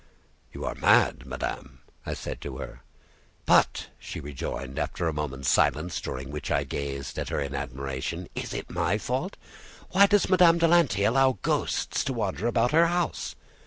"You are mad, madame," I said to her. "But," she rejoined, after a moment's silence, during which I gazed at her in admiration, "is it my fault? Why does Madame de Lanty allow ghosts to wander round her house?"